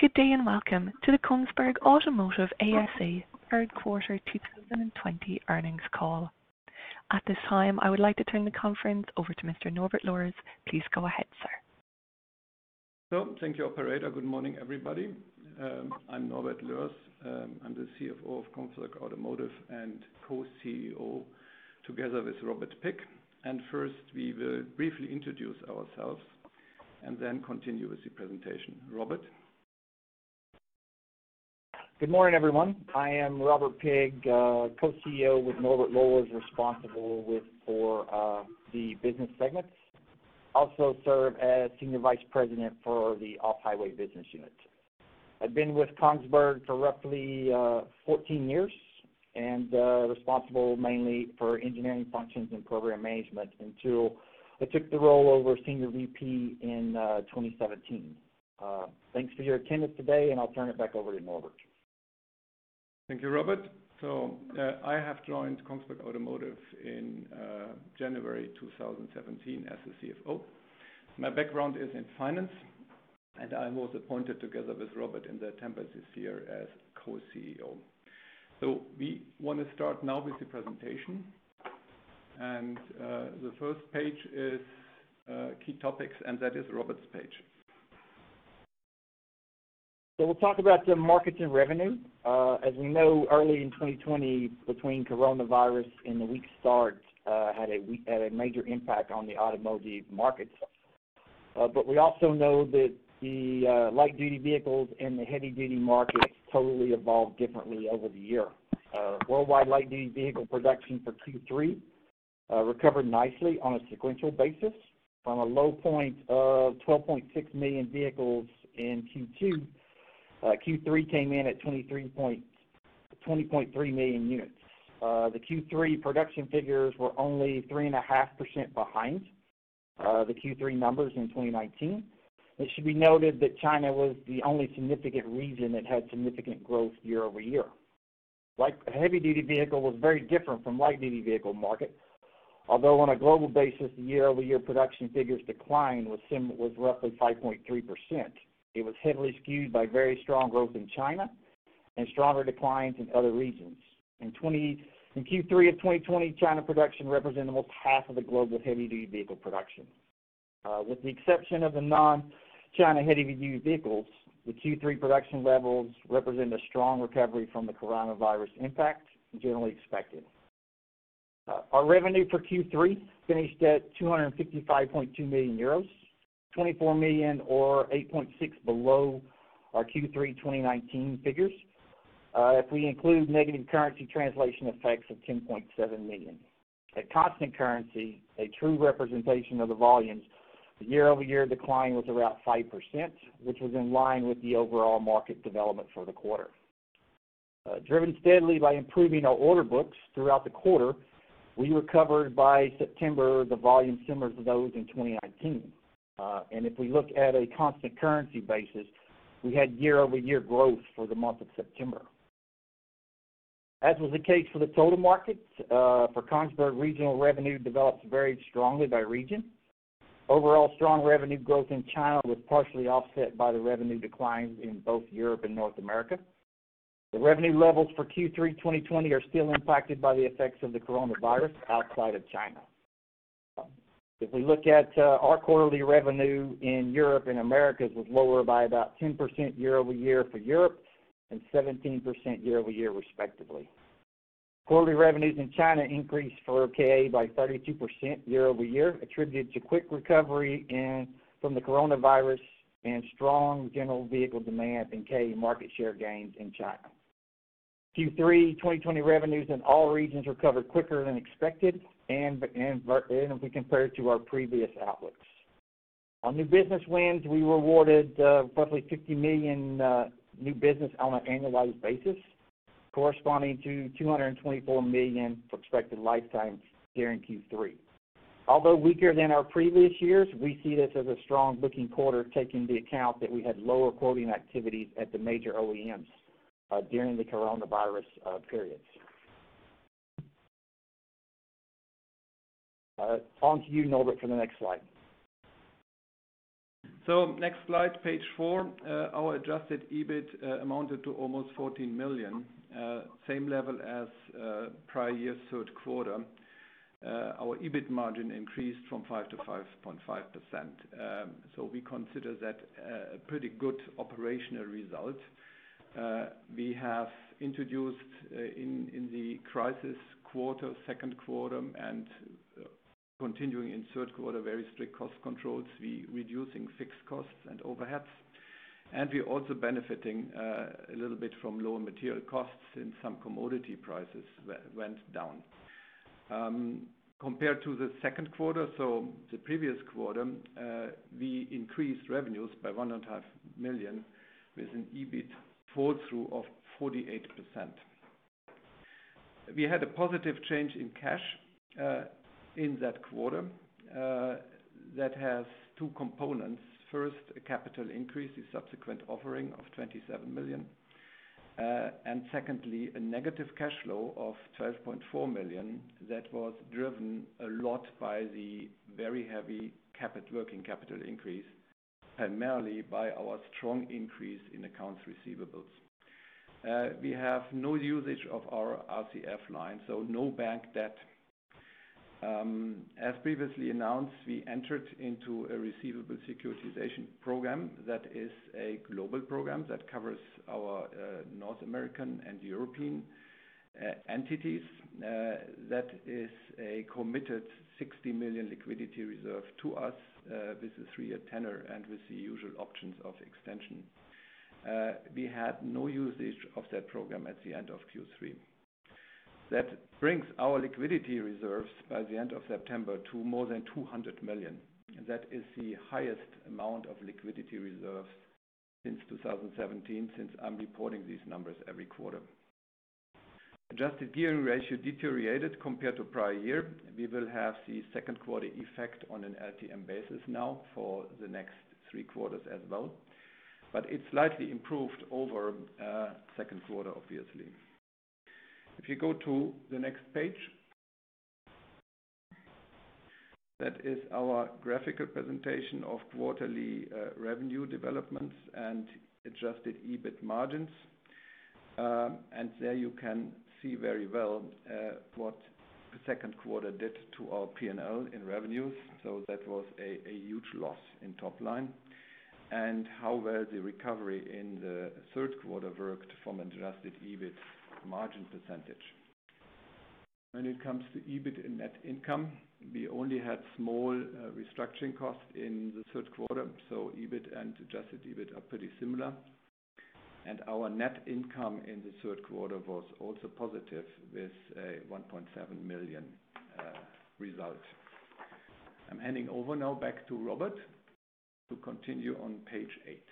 Good day and welcome to the Kongsberg Automotive ASA third quarter 2020 earnings call. At this time, I would like to turn the conference over to Mr. Norbert Loers. Please go ahead, sir. Thank you, operator. Good morning, everybody. I'm Norbert Loers. I'm the CFO of Kongsberg Automotive and Co-CEO together with Robert Pigg. First, we will briefly introduce ourselves and then continue with the presentation. Robert? Good morning, everyone. I am Robert Pigg, Co-CEO with Norbert Loers, responsible for the business segments. Also serve as Senior Vice President for the Off-Highway business unit. I've been with Kongsberg for roughly 14 years and responsible mainly for engineering functions and program management until I took the role over Senior VP in 2017. Thanks for your attendance today, and I'll turn it back over to Norbert. Thank you, Robert. I have joined Kongsberg Automotive in January 2017 as the CFO. My background is in finance, and I was appointed together with Robert in September this year as Co-CEO. We want to start now with the presentation. The first page is key topics, and that is Robert's page. We'll talk about the markets and revenue. As we know, early in 2020 between corona and the weak start, had a major impact on the automotive markets. We also know that the light-duty vehicles and the heavy-duty markets totally evolved differently over the year. Worldwide light-duty vehicle production for Q3 recovered nicely on a sequential basis from a low point of 12.6 million vehicles in Q2. Q3 came in at 20.3 million units. The Q3 production figures were only 3.5% behind the Q3 numbers in 2019. It should be noted that China was the only significant region that had significant growth year-over-year. Heavy-duty vehicle was very different from light-duty vehicle market. Although on a global basis, the year-over-year production figures decline was roughly 5.3%. It was heavily skewed by very strong growth in China and stronger declines in other regions. In Q3 of 2020, China production represented almost half of the global heavy-duty vehicle production. With the exception of the non-China heavy-duty vehicles, the Q3 production levels represent a strong recovery from the corona impact generally expected. Our revenue for Q3 finished at 255.2 million euros, 24 million or 8.6% below our Q3 2019 figures. If we include negative currency translation effects of 10.7 million. At constant currency, a true representation of the volumes, the year-over-year decline was around 5%, which was in line with the overall market development for the quarter. Driven steadily by improving our order books throughout the quarter, we recovered by September the volume similar to those in 2019. If we look at a constant currency basis, we had year-over-year growth for the month of September. As was the case for the total markets, for Kongsberg, regional revenue developed very strongly by region. Overall, strong revenue growth in China was partially offset by the revenue decline in both Europe and North America. The revenue levels for Q3 2020 are still impacted by the effects of the corona outside of China. If we look at our quarterly revenue in Europe and Americas was lower by about 10% year-over-year for Europe and 17% year-over-year, respectively. Quarterly revenues in China increased for KA by 32% year-over-year, attributed to quick recovery from the corona and strong general vehicle demand and KA market share gains in China. Q3 2020 revenues in all regions recovered quicker than expected and if we compare it to our previous outlooks. On new business wins, we were awarded roughly 50 million new business on an annualized basis, corresponding to 224 million for expected lifetime during Q3. Although weaker than our previous years, we see this as a strong-looking quarter, taking into account that we had lower quoting activities at the major OEMs during the coronavirus periods. On to you, Norbert, for the next slide. Next slide, page four. Our adjusted EBIT amounted to almost EUR 14 million, same level as prior year's third quarter. Our EBIT margin increased from 5% to 5.5%. We consider that a pretty good operational result. We have introduced in the crisis quarter, second quarter, and continuing in third quarter, very strict cost controls. We're reducing fixed costs and overheads. We're also benefiting a little bit from lower material costs and some commodity prices went down. Compared to the second quarter, so the previous quarter, we increased revenues by 1.5 million with an EBIT fall through of 48%. We had a positive change in cash in that quarter that has two components. First, a capital increase, a subsequent offering of 27 million. Secondly, a negative cash flow of 12.4 million that was driven a lot by the very heavy working capital increase, primarily by our strong increase in accounts receivable. We have no usage of our RCF line, no bank debt. As previously announced, we entered into a receivable securitization program that is a global program that covers our North American and European entities. That is a committed 60 million liquidity reserve to us with a three-year tenor and with the usual options of extension. We had no usage of that program at the end of Q3. That brings our liquidity reserves by the end of September to more than 200 million. That is the highest amount of liquidity reserve since 2017, since I'm reporting these numbers every quarter. Adjusted gearing ratio deteriorated compared to prior year. We will have the second quarter effect on an LTM basis now for the next three quarters as well. It slightly improved over second quarter, obviously. If you go to the next page, that is our graphical presentation of quarterly revenue developments and adjusted EBIT margins. There you can see very well what the second quarter did to our P&L in revenues. That was a huge loss in top line. How well the recovery in the third quarter worked from an adjusted EBIT margin percentage. When it comes to EBIT and net income, we only had small restructuring costs in the third quarter. EBIT and adjusted EBIT are pretty similar. Our net income in the third quarter was also positive with a 1.7 million result. I am handing over now back to Robert to continue on page eight.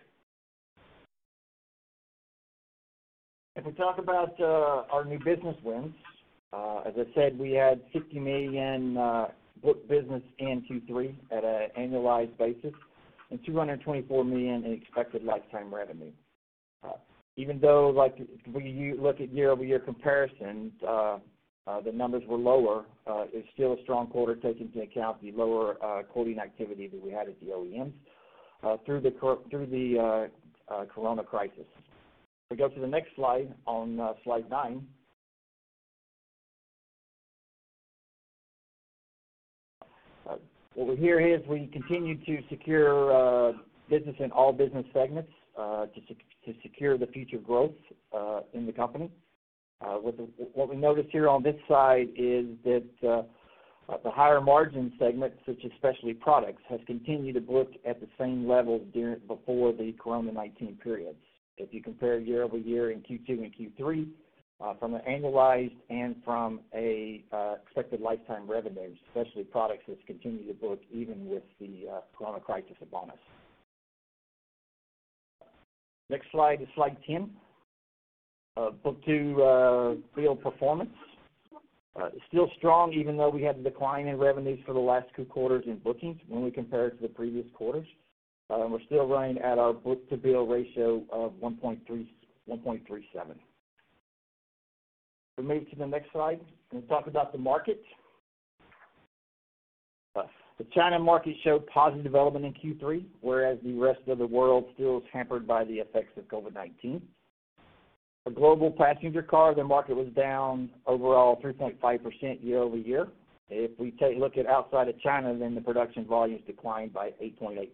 We talk about our new business wins, as I said, we had 50 million booked business in Q3 at an annualized basis and 224 million in expected lifetime revenue. Though when you look at year-over-year comparisons, the numbers were lower, it's still a strong quarter taking into account the lower quoting activity that we had at the OEMs through the corona crisis. We go to the next slide, on slide nine. What we hear is we continue to secure business in all business segments to secure the future growth in the company. What we notice here on this slide is that the higher margin segments, such as Specialty Products, has continued to book at the same level before the corona period. If you compare year-over-year in Q2 and Q3 from an annualized and from expected lifetime revenues, Specialty Products has continued to book even with the Corona crisis upon us. Next slide is slide 10. Book-to-bill performance. Still strong, even though we had a decline in revenues for the last two quarters in bookings when we compare it to the previous quarters. We're still running at our book-to-bill ratio of 1.37. If we move to the next slide and talk about the market. The China market showed positive development in Q3, whereas the rest of the world still is hampered by the effects of COVID-19. For global passenger cars, the market was down overall 3.5% year-over-year. If we look at outside of China, the production volumes declined by 8.8%.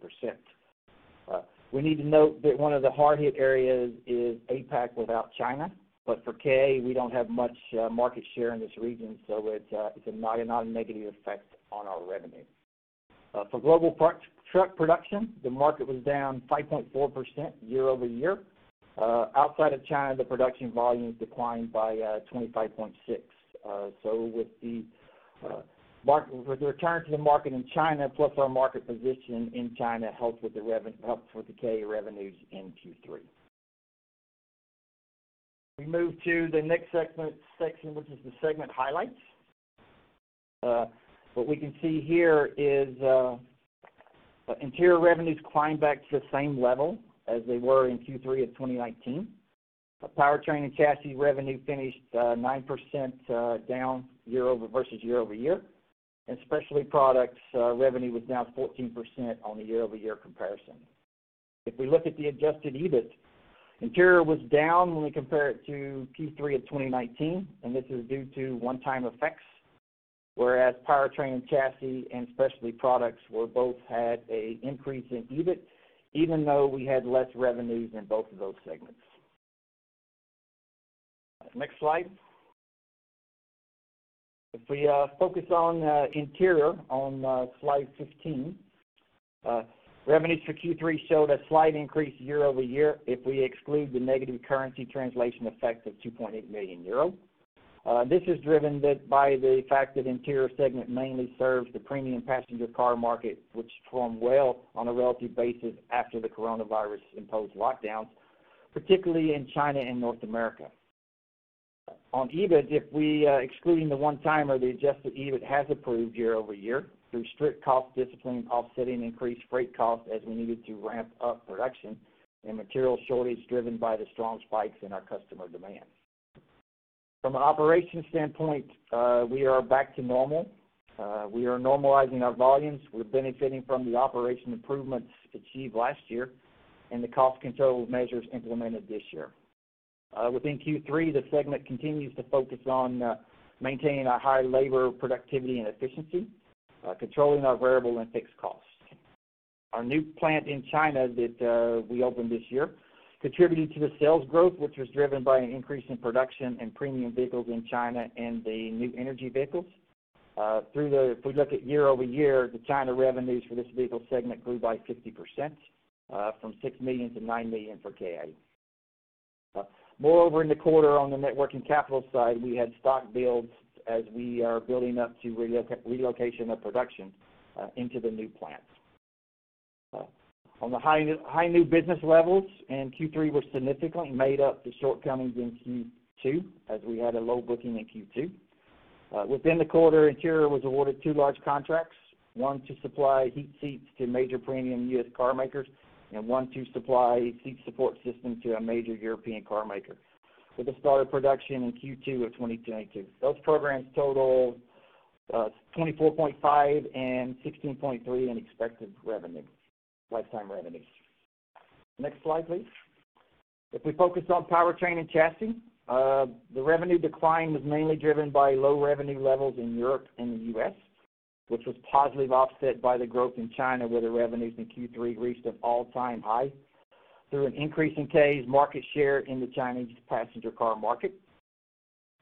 We need to note that one of the hard-hit areas is APAC without China. For KA, we don't have much market share in this region, so it's not a negative effect on our revenue. For global truck production, the market was down 5.4% year-over-year. Outside of China, the production volumes declined by 25.6%. With the return to the market in China, plus our market position in China helped with the KA revenues in Q3. We move to the next section, which is the segment highlights. What we can see here is Interior revenues climbed back to the same level as they were in Q3 of 2019. Powertrain and Chassis revenue finished 9% down versus year-over-year. Specialty Products revenue was down 14% on a year-over-year comparison. If we look at the adjusted EBIT, Interior was down when we compare it to Q3 of 2019, and this is due to one-time effects, whereas Powertrain and Chassis and Specialty Products both had an increase in EBIT, even though we had less revenues in both of those segments. Next slide. If we focus on Interior on slide 15, revenues for Q3 showed a slight increase year-over-year if we exclude the negative currency translation effect of 2.8 million euro. This is driven by the fact that Interior segment mainly serves the premium passenger car market, which performed well on a relative basis after the coronavirus-imposed lockdowns, particularly in China and North America. On EBIT, if we excluding the one-timer, the adjusted EBIT has improved year-over-year through strict cost discipline offsetting increased freight costs as we needed to ramp up production and material shortage driven by the strong spikes in our customer demand. From an operation standpoint, we are back to normal. We are normalizing our volumes. We're benefiting from the operation improvements achieved last year and the cost control measures implemented this year. Within Q3, the segment continues to focus on maintaining a high labor productivity and efficiency, controlling our variable and fixed costs. Our new plant in China that we opened this year contributed to the sales growth, which was driven by an increase in production and premium vehicles in China and the new energy vehicles. If we look at year-over-year, the China revenues for this vehicle segment grew by 50%, from 6 million to 9 million for KA. Moreover, in the quarter on the net working capital side, we had stock builds as we are building up to relocation of production into the new plant. Q3 was significantly made up the shortcomings in Q2, as we had a low booking in Q2. Within the quarter, Interior was awarded two large contracts, one to supply heated seats to major premium U.S. car makers, and one to supply seat support system to a major European car maker with the start of production in Q2 of 2022. Those programs total 24.5 and 16.3 in expected lifetime revenues. Next slide, please. If we focus on Powertrain and Chassis, the revenue decline was mainly driven by low revenue levels in Europe and the U.S., which was positively offset by the growth in China, where the revenues in Q3 reached an all-time high through an increase in KA's market share in the Chinese passenger car market.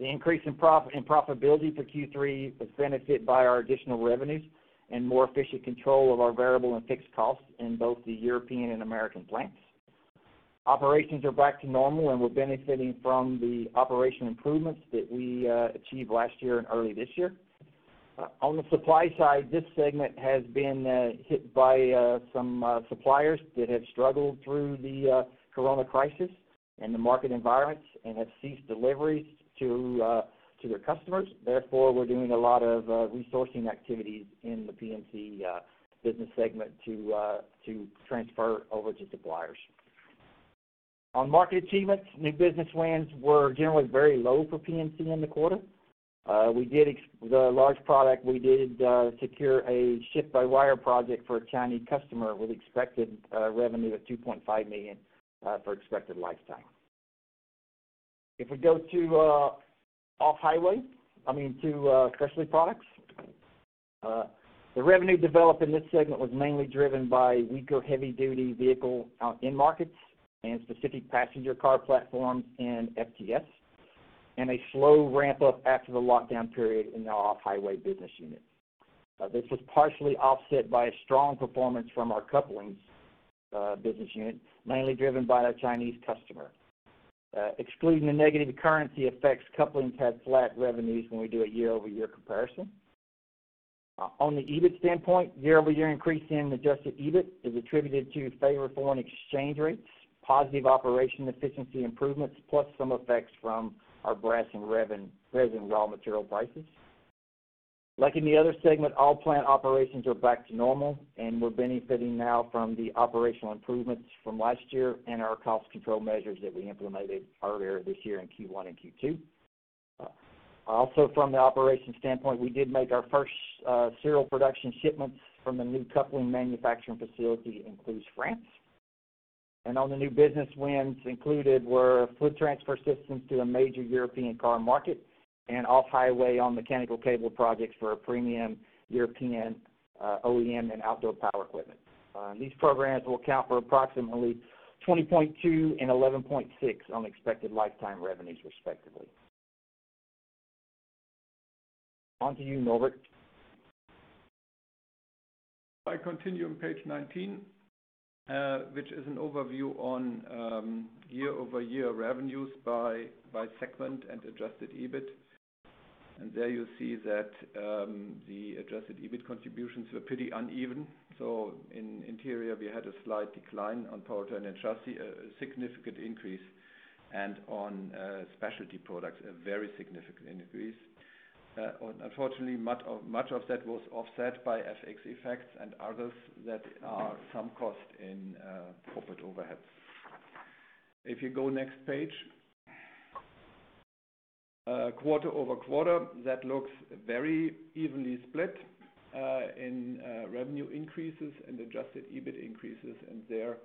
The increase in profitability for Q3 was benefited by our additional revenues and more efficient control of our variable and fixed costs in both the European and American plants. Operations are back to normal, we're benefiting from the operation improvements that we achieved last year and early this year. On the supply side, this segment has been hit by some suppliers that have struggled through the Corona crisis and the market environments and have ceased deliveries to their customers. Therefore, we're doing a lot of resourcing activities in the P&C business segment to transfer over to suppliers. On market achievements, new business wins were generally very low for P&C in the quarter. The large product, we did secure a shift-by-wire project for a Chinese customer with expected revenue of 2.5 million for expected lifetime. If we go to Specialty Products. The revenue developed in this segment was mainly driven by weaker heavy-duty vehicle end markets and specific passenger car platforms in FTS, and a slow ramp-up after the lockdown period in the Off-Highway business unit. This was partially offset by a strong performance from our Couplings business unit, mainly driven by our Chinese customer. Excluding the negative currency effects, Couplings had flat revenues when we do a year-over-year comparison. On the EBIT standpoint, year-over-year increase in adjusted EBIT is attributed to favor foreign exchange rates, positive operation efficiency improvements, plus some effects from our brass and resin raw material prices. Like in the other segment, all plant operations are back to normal, and we're benefiting now from the operational improvements from last year and our cost control measures that we implemented earlier this year in Q1 and Q2. From the operations standpoint, we did make our first serial production shipments from the new coupling manufacturing facility in Cluses, France. On the new business wins included were fluid transfer systems to a major European car market and Off-Highway on mechanical cable projects for a premium European OEM and outdoor power equipment. These programs will account for approximately 20.2 and 11.6 on expected lifetime revenues, respectively. On to you, Norbert. I continue on page 19, which is an overview on year-over-year revenues by segment and adjusted EBIT. There you see that the adjusted EBIT contributions were pretty uneven. In Interior, we had a slight decline. On Powertrain and Chassis, a significant increase, and on Specialty Products, a very significant increase. Unfortunately, much of that was offset by FX effects and others that are some cost in corporate overheads. If you go next page. Quarter-over-quarter, that looks very evenly split in revenue increases and adjusted EBIT increases, and there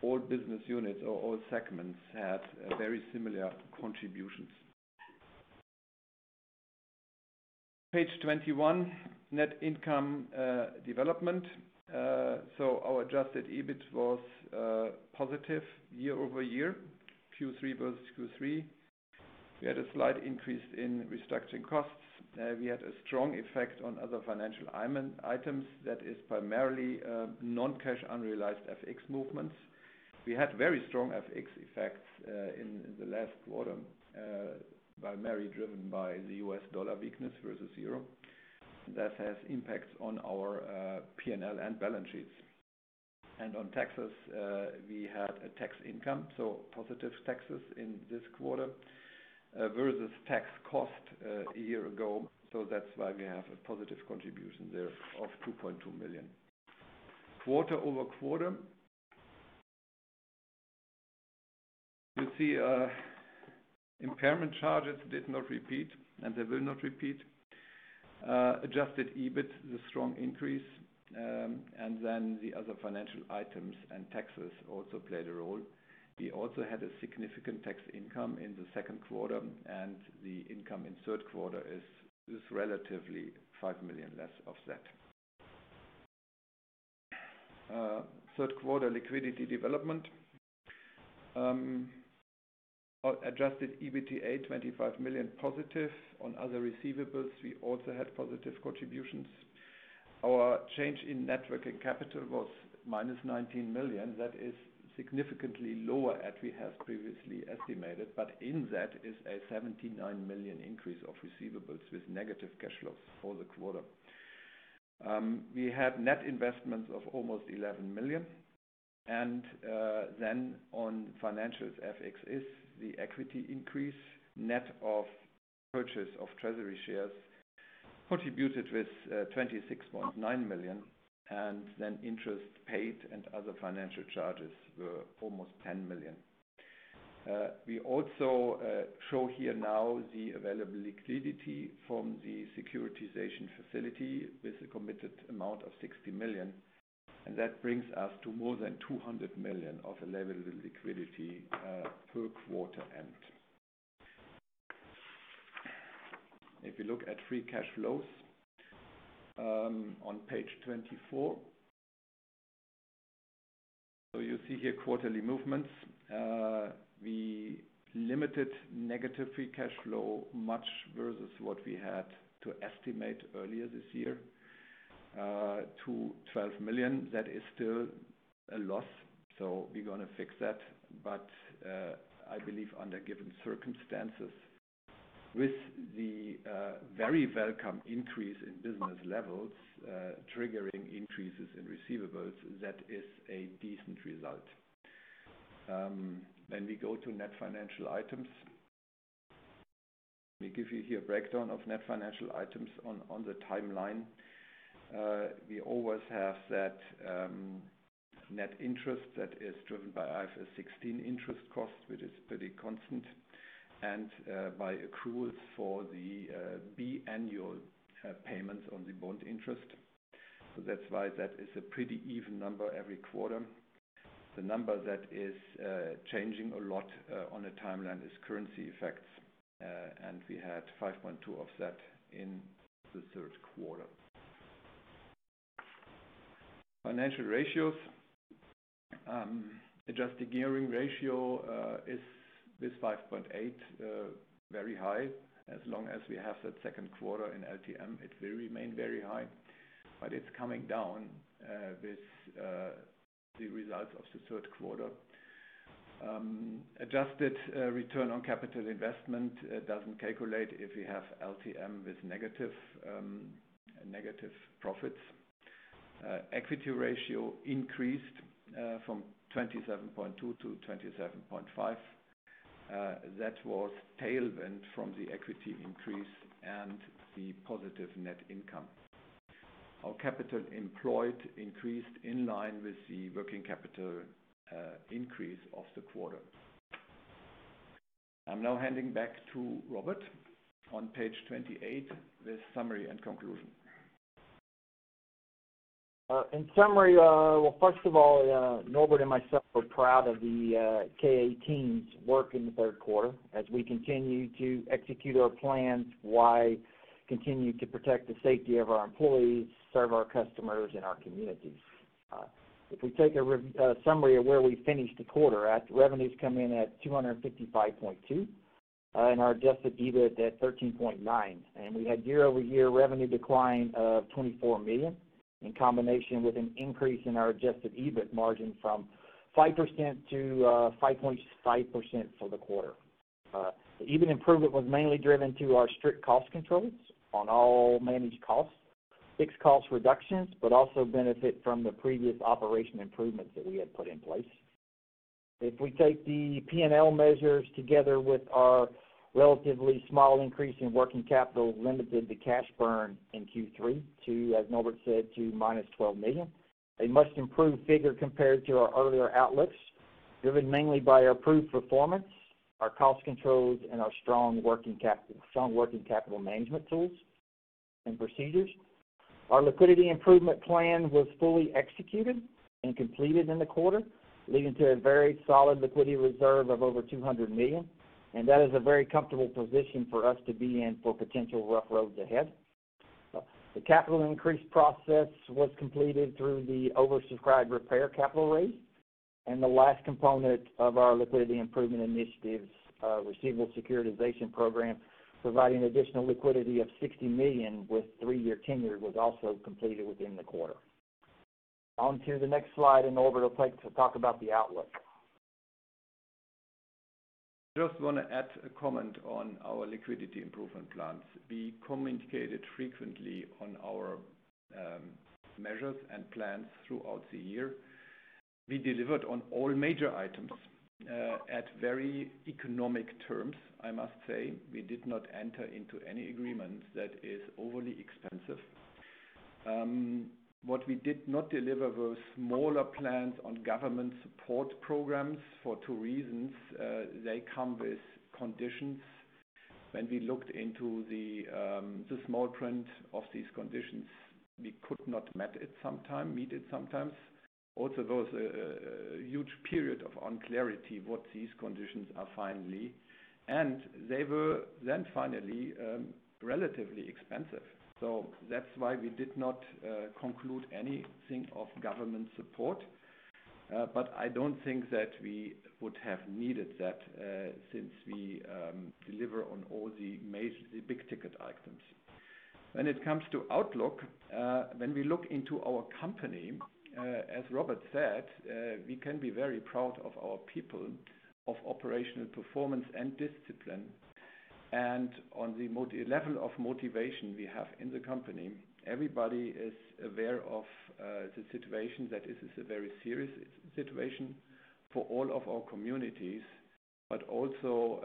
all business units or all segments had very similar contributions. Page 21, net income development. Our adjusted EBIT was positive year-over-year, Q3 versus Q3. We had a slight increase in restructuring costs. We had a strong effect on other financial items that is primarily non-cash unrealized FX movements. We had very strong FX effects in the last quarter, primarily driven by the US dollar weakness versus euro. That has impacts on our P&L and balance sheets. On taxes, we had a tax income, so positive taxes in this quarter versus tax cost a year ago. That's why we have a positive contribution there of 2.2 million. Quarter-over-quarter. You see impairment charges did not repeat. They will not repeat. Adjusted EBIT, the strong increase. The other financial items and taxes also played a role. We also had a significant tax income in the second quarter. The income in third quarter is relatively 5 million less of that. Third quarter liquidity development. Adjusted EBITDA +25 million. On other receivables, we also had positive contributions. Our change in net working capital was -19 million. That is significantly lower than we had previously estimated. In that is a 79 million increase of receivables with negative cash flows for the quarter. We had net investments of almost 11 million. On financials, FX is the equity increase net of purchase of treasury shares contributed with 26.9 million, and then interest paid and other financial charges were almost 10 million. We also show here now the available liquidity from the securitization facility with a committed amount of 60 million, and that brings us to more than 200 million of available liquidity per quarter end. If you look at free cash flows on page 24. You see here quarterly movements. We limited negative free cash flow much versus what we had to estimate earlier this year to 12 million. That is still a loss, so we're going to fix that. I believe under given circumstances with the very welcome increase in business levels triggering increases in receivables, that is a decent result. We go to net financial items. We give you here a breakdown of net financial items on the timeline. We always have that net interest that is driven by IFRS 16 interest cost, which is pretty constant, and by accruals for the biannual payments on the bond interest. That's why that is a pretty even number every quarter. The number that is changing a lot on the timeline is currency effects, and we had 5.2 of that in the third quarter. Financial ratios. Adjusted gearing ratio is this 5.8, very high. As long as we have that second quarter in LTM, it will remain very high, but it's coming down with the results of the third quarter. Adjusted return on capital investment doesn't calculate if we have LTM with negative profits. Equity ratio increased from 27.2 to 27.5. That was tailwind from the equity increase and the positive net income. Our capital employed increased in line with the working capital increase of the quarter. I'm now handing back to Robert on page 28 with summary and conclusion. In summary, well, first of all, Norbert and myself are proud of the KA team's work in the third quarter as we continue to execute our plans while continuing to protect the safety of our employees, serve our customers and our communities. If we take a summary of where we finished the quarter at, revenues come in at 255.2 and our adjusted EBIT at 13.9. We had year-over-year revenue decline of 24 million in combination with an increase in our adjusted EBIT margin from 5%-5.5% for the quarter. The EBIT improvement was mainly driven through our strict cost controls on all managed costs, fixed cost reductions, but also benefit from the previous operation improvements that we had put in place. If we take the P&L measures together with our relatively small increase in working capital limited the cash burn in Q3 to, as Norbert said, to -12 million. A much improved figure compared to our earlier outlooks, driven mainly by our approved performance, our cost controls and our strong working capital management tools and procedures. Our liquidity improvement plan was fully executed and completed in the quarter, leading to a very solid liquidity reserve of over 200 million. That is a very comfortable position for us to be in for potential rough roads ahead. The capital increase process was completed through the oversubscribed repair capital raise. The last component of our liquidity improvement initiatives, receivable securitization program, providing additional liquidity of 60 million with three-year tenure was also completed within the quarter. On to the next slide, Norbert will talk about the outlook. Just want to add a comment on our liquidity improvement plans. We communicated frequently on our measures and plans throughout the year. We delivered on all major items at very economic terms, I must say. We did not enter into any agreement that is overly expensive. What we did not deliver was smaller plans on government support programs for two reasons. They come with conditions. When we looked into the small print of these conditions, we could not meet it sometimes. There was a huge period of unclarity what these conditions are finally, and they were then finally, relatively expensive. That's why we did not conclude anything of government support. I don't think that we would have needed that since we deliver on all the big-ticket items. When it comes to outlook, when we look into our company, as Robert said, we can be very proud of our people, of operational performance and discipline, and on the level of motivation we have in the company. Everybody is aware of the situation, that this is a very serious situation for all of our communities, but also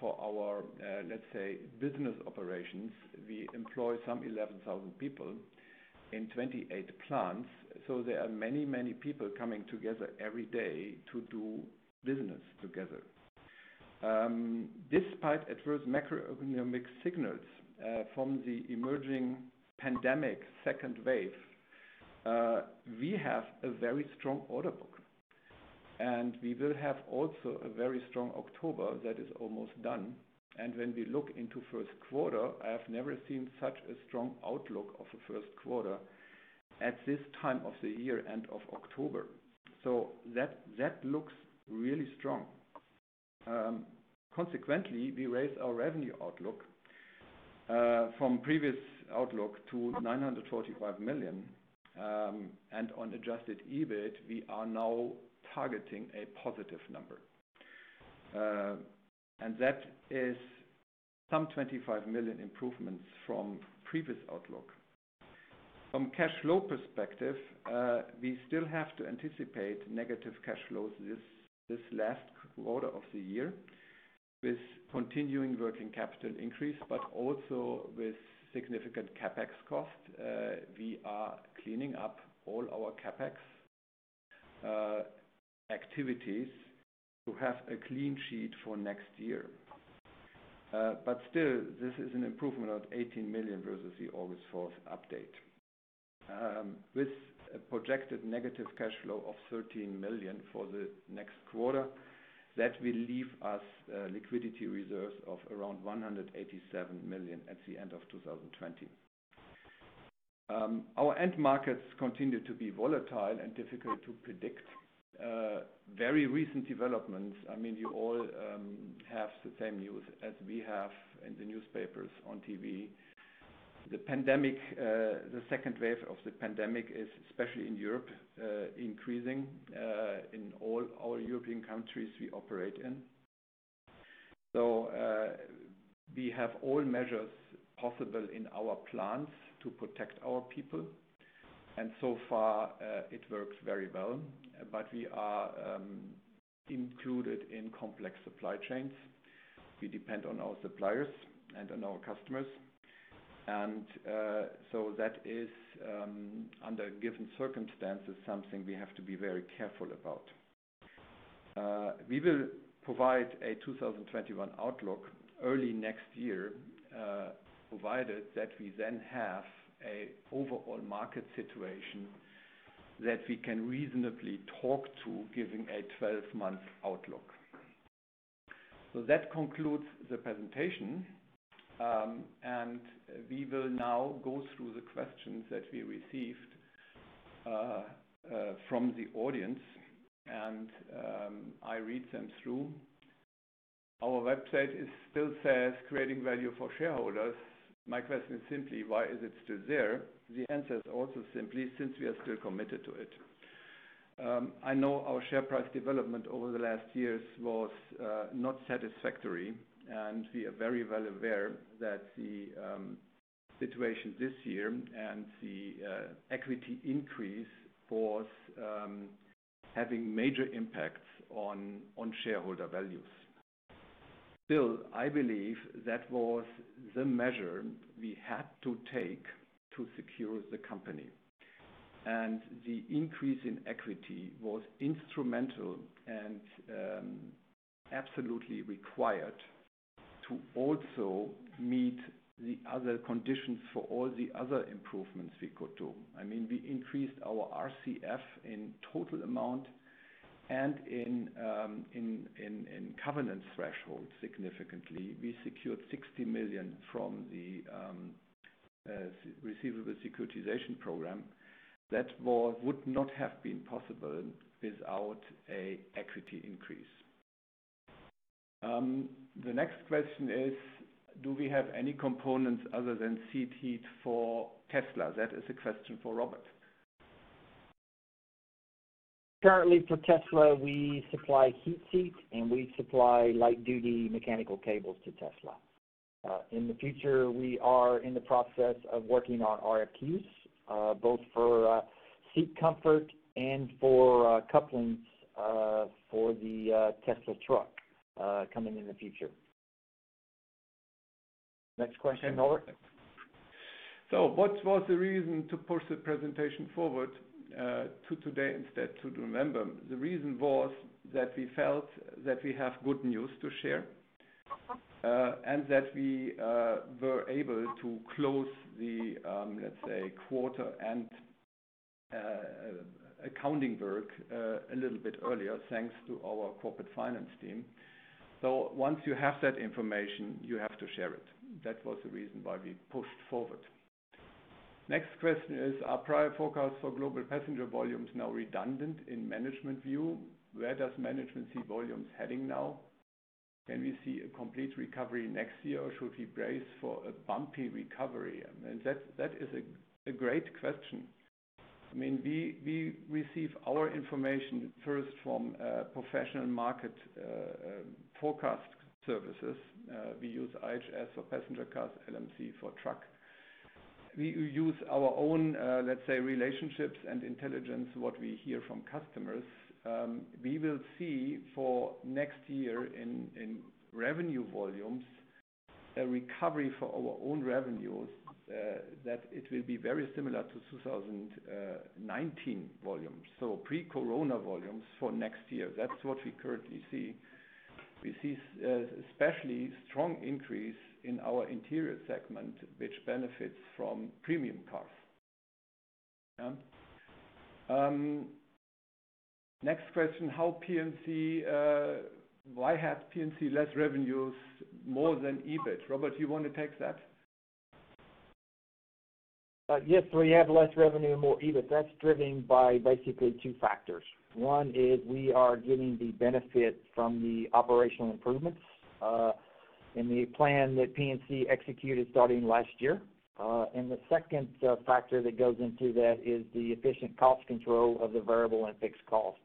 for our, let's say, business operations. We employ some 11,000 people in 28 plants, there are many people coming together every day to do business together. Despite adverse macroeconomics signals from the emerging pandemic second wave, we have a very strong order book, and we will have also a very strong October that is almost done. When we look into first quarter, I have never seen such a strong outlook of a first quarter at this time of the year end of October. That looks really strong. Consequently, we raise our revenue outlook from previous outlook to 945 million. On adjusted EBIT, we are now targeting a positive number. That is some 25 million improvements from previous outlook. From cash flow perspective, we still have to anticipate negative cash flows this last quarter of the year with continuing working capital increase, also with significant CapEx cost. We are cleaning up all our CapEx activities to have a clean sheet for next year. Still, this is an improvement of 18 million versus the August 4th update. With a projected negative cash flow of 13 million for the next quarter, that will leave us liquidity reserves of around 187 million at the end of 2020. Our end markets continue to be volatile and difficult to predict. Very recent developments, you all have the same news as we have in the newspapers, on TV. We have all measures possible in our plants to protect our people, and so far it works very well, but we are included in complex supply chains. We depend on our suppliers and on our customers. That is, under given circumstances, something we have to be very careful about. We will provide a 2021 outlook early next year, provided that we then have an overall market situation that we can reasonably talk to giving a 12-month outlook. That concludes the presentation, and we will now go through the questions that we received from the audience, and I read them through. Our website still says creating value for shareholders. My question is simply, why is it still there? The answer is also simply since we are still committed to it. I know our share price development over the last years was not satisfactory, and we are very well aware that the situation this year and the equity increase was having major impacts on shareholder values. Still, I believe that was the measure we had to take to secure the company, and the increase in equity was instrumental and absolutely required to also meet the other conditions for all the other improvements we could do. We increased our RCF in total amount and in covenant threshold significantly. We secured 60 million from the receivable securitization program. That would not have been possible without an equity increase. The next question is, do we have any components other than seat heat for Tesla? That is a question for Robert. Currently for Tesla, we supply heated seats and we supply light-duty mechanical cables to Tesla. In the future, we are in the process of working on RFQs, both for seat comfort and for couplings for the Tesla truck coming in the future. Next question, Norbert. What was the reason to push the presentation forward to today instead to November? The reason was that we felt that we have good news to share, and that we were able to close the, let's say, quarter and accounting work a little bit earlier thanks to our corporate finance team. Once you have that information, you have to share it. That was the reason why we pushed forward. Next question is, are prior forecasts for global passenger volumes now redundant in management view? Where does management see volumes heading now? Can we see a complete recovery next year, or should we brace for a bumpy recovery? That is a great question. We receive our information first from professional market forecast services. We use IHS for passenger cars, LMC for truck. We use our own, let's say, relationships and intelligence, what we hear from customers. We will see for next year in revenue volumes, a recovery for our own revenues, that it will be very similar to 2019 volumes. Pre-Corona volumes for next year. That's what we currently see. We see especially strong increase in our Interior segment, which benefits from premium cars. Next question, why has P&C less revenues more than EBIT? Robert, you want to take that? Yes. We have less revenue and more EBIT. That's driven by basically two factors. One is we are getting the benefit from the operational improvements, and the plan that P&C executed starting last year. The second factor that goes into that is the efficient cost control of the variable and fixed costs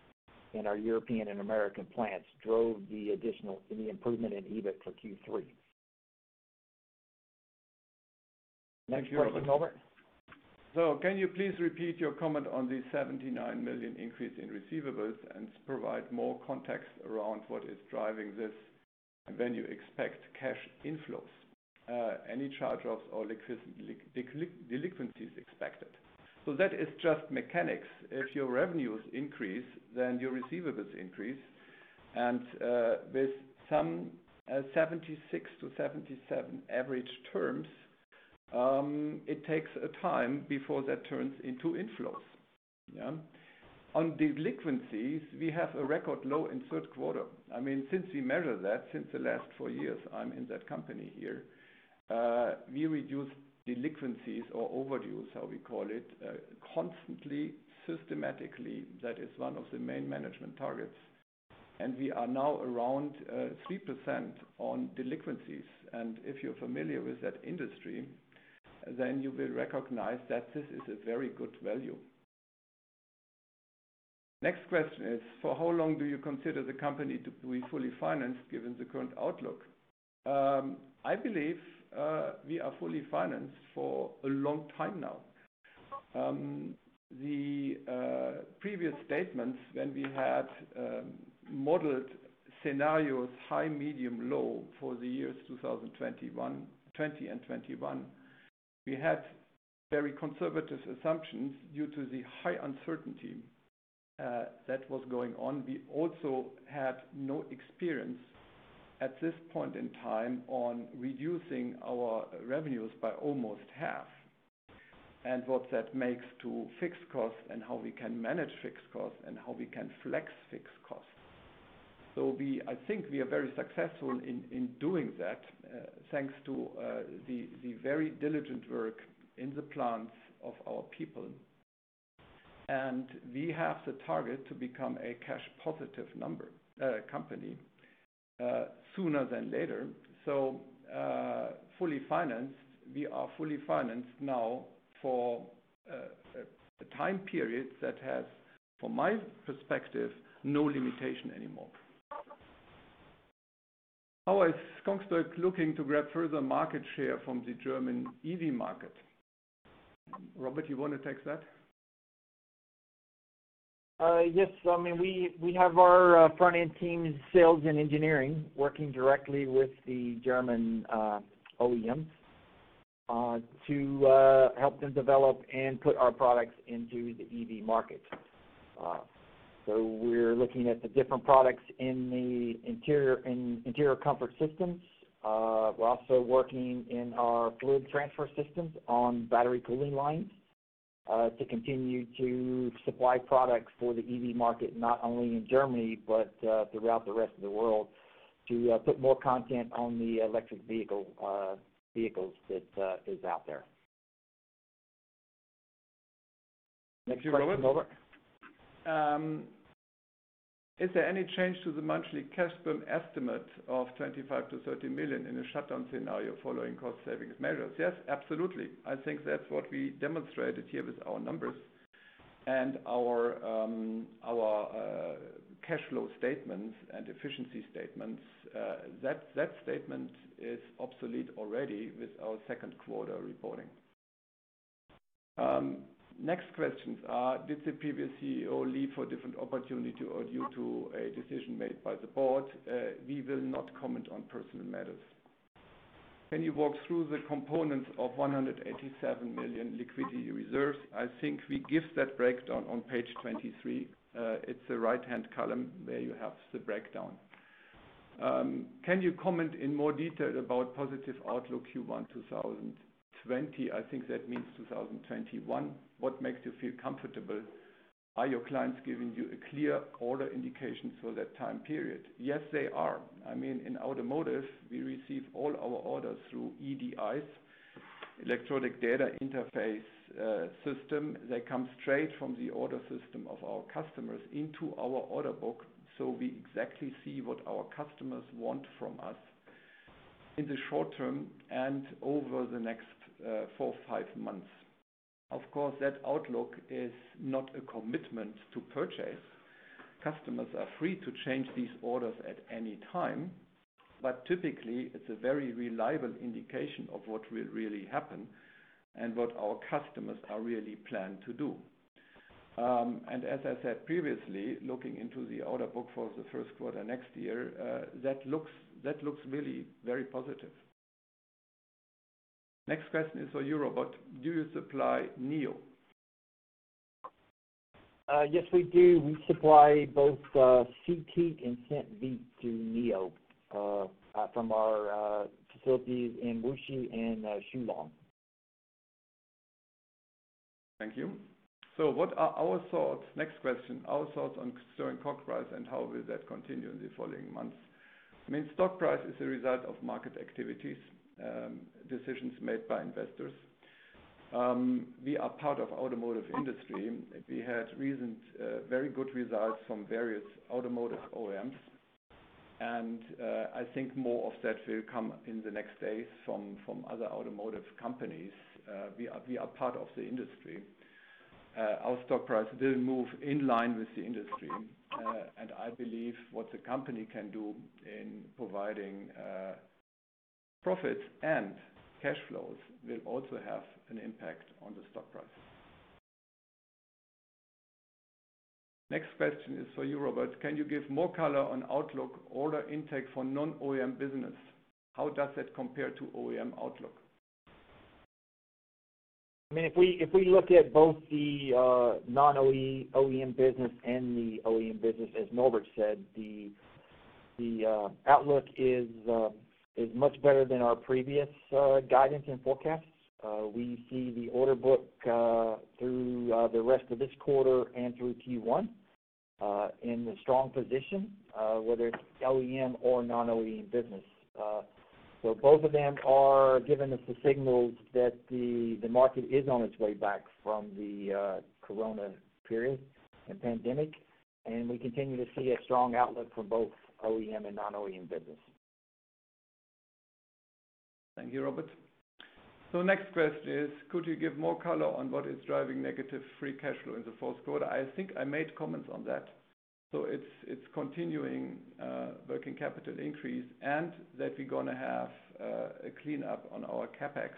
in our European and American plants drove the additional, the improvement in EBIT for Q3. Next question, Norbert. Can you please repeat your comment on the 79 million increase in receivables and provide more context around what is driving this? When you expect cash inflows. Any charge-offs or delinquencies expected? That is just mechanics. If your revenues increase, then your receivables increase. With some 76-77 average terms, it takes a time before that turns into inflows. On delinquencies, we have a record low in third quarter. Since we measure that, since the last four years I'm in that company here, we reduce delinquencies or overdues, how we call it, constantly, systematically. That is one of the main management targets. We are now around 3% on delinquencies. If you're familiar with that industry, then you will recognize that this is a very good value. Next question is, for how long do you consider the company to be fully financed given the current outlook? I believe we are fully financed for a long time now. The previous statements when we had modeled scenarios high, medium, low for the years 2020 and 2021, we had very conservative assumptions due to the high uncertainty that was going on. We also had no experience at this point in time on reducing our revenues by almost half, and what that makes to fixed costs and how we can manage fixed costs and how we can flex fixed costs. I think we are very successful in doing that, thanks to the very diligent work in the plants of our people. We have the target to become a cash positive company, sooner than later. Fully financed. We are fully financed now for a time period that has, from my perspective, no limitation anymore. How is Kongsberg looking to grab further market share from the German EV market? Robert, you want to take that? Yes. We have our front-end teams, sales and engineering, working directly with the German OEMs to help them develop and put our products into the EV market. We're looking at the different products in the interior comfort systems. We're also working in our fluid transfer systems on battery cooling lines, to continue to supply products for the EV market, not only in Germany but throughout the rest of the world, to put more content on the electric vehicles that is out there. Next question, Norbert. Is there any change to the monthly cash burn estimate of 25 million-30 million in a shutdown scenario following cost savings measures? Yes, absolutely. I think that's what we demonstrated here with our numbers and our cash flow statements and efficiency statements. That statement is obsolete already with our second quarter reporting. Next questions are, did the previous CEO leave for a different opportunity or due to a decision made by the board? We will not comment on personal matters. Can you walk through the components of 187 million liquidity reserves? I think we give that breakdown on page 23. It's the right-hand column where you have the breakdown. Can you comment in more detail about positive outlook Q1 2020? I think that means 2021. What makes you feel comfortable? Are your clients giving you a clear order indication for that time period? Yes, they are. In automotive, we receive all our orders through EDIs, electronic data interface system. They come straight from the order system of our customers into our order book. We exactly see what our customers want from us in the short term and over the next four, five months. Of course, that outlook is not a commitment to purchase. Customers are free to change these orders at any time, typically, it's a very reliable indication of what will really happen and what our customers are really planning to do. As I said previously, looking into the order book for the first quarter next year, that looks really very positive. Next question is for you, Robert. Do you supply NIO? Yes, we do. We supply both seat heat and seat vent to NIO from our facilities in Wuxi and Shiyan. Thank you. Next question, our thoughts concerning stock price, and how will that continue in the following months? Stock price is a result of market activities, decisions made by investors. We are part of the automotive industry. We had very good results from various automotive OEMs, and I think more of that will come in the next days from other automotive companies. We are part of the industry. Our stock price will move in line with the industry, and I believe what the company can do in providing profits and cash flows will also have an impact on the stock price. Next question is for you, Robert. Can you give more color on outlook order intake for non-OEM business? How does that compare to OEM outlook? If we look at both the non-OEM business and the OEM business, as Norbert said, the outlook is much better than our previous guidance and forecasts. We see the order book through the rest of this quarter and through Q1 in a strong position, whether it's OEM or non-OEM business. Both of them are giving us the signals that the market is on its way back from the corona period and pandemic, and we continue to see a strong outlook for both OEM and non-OEM business. Thank you, Robert. Next question is, could you give more color on what is driving negative free cash flow in the fourth quarter? I think I made comments on that. It's continuing working capital increase and that we're going to have a cleanup on our CapEx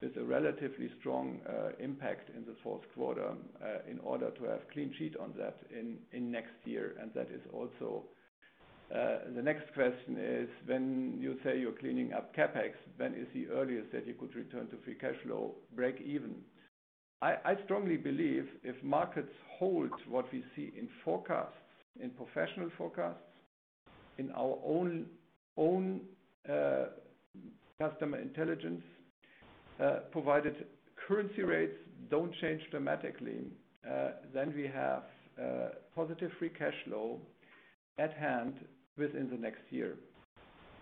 with a relatively strong impact in the fourth quarter in order to have a clean sheet on that in next year. That is also the next question is, when you say you're cleaning up CapEx, when is the earliest that you could return to free cash flow breakeven? I strongly believe if markets hold what we see in forecasts, in professional forecasts, in our own customer intelligence, provided currency rates don't change dramatically, then we have positive free cash flow at hand within the next year.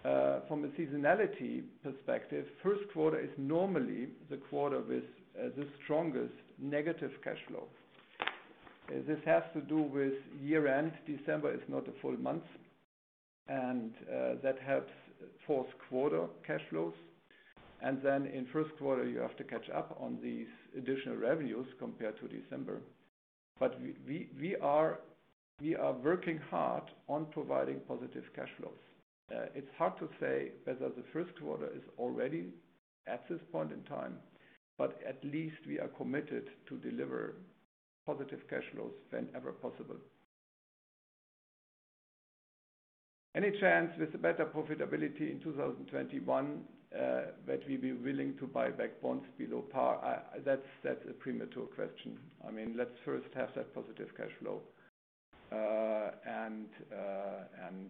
From a seasonality perspective, first quarter is normally the quarter with the strongest negative cash flow. This has to do with year-end. December is not a full month, and that helps fourth quarter cash flows. Then in first quarter, you have to catch up on these additional revenues compared to December. We are working hard on providing positive cash flows. It's hard to say whether the first quarter is already at this point in time, but at least we are committed to deliver positive cash flows whenever possible. Any chance with a better profitability in 2021 that we'll be willing to buy back bonds below par? That's a premature question. Let's first have that positive cash flow and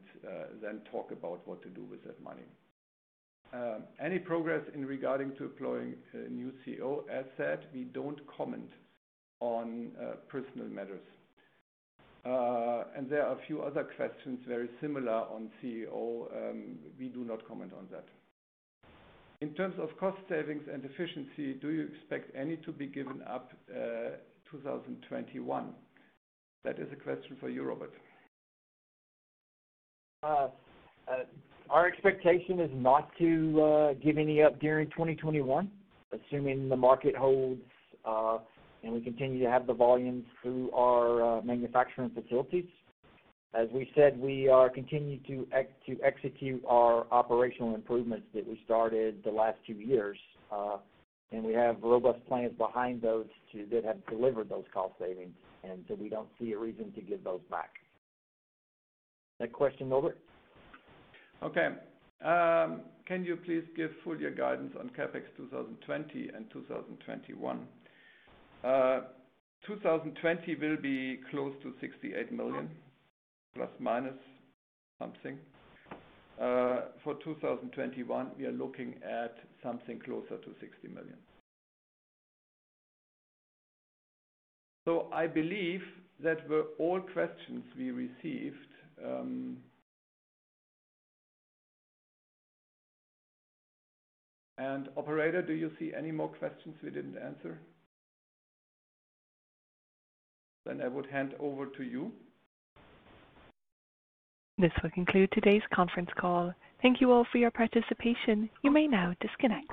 then talk about what to do with that money. Any progress in regarding to employing a new CEO? As said, we don't comment on personal matters. There are a few other questions very similar on CEO. We do not comment on that. In terms of cost savings and efficiency, do you expect any to be given up 2021? That is a question for you, Robert. Our expectation is not to give any up during 2021, assuming the market holds and we continue to have the volume through our manufacturing facilities. As we said, we are continuing to execute our operational improvements that we started the last two years. We have robust plans behind those that have delivered those cost savings, and so we don't see a reason to give those back. Next question, Norbert. Okay. Can you please give full year guidance on CapEx 2020 and 2021? 2020 will be close to EUR 68± million something. For 2021, we are looking at something closer to 60 million. I believe that were all questions we received. Operator, do you see any more questions we didn't answer? I would hand over to you. This will conclude today's conference call. Thank you all for your participation. You may now disconnect.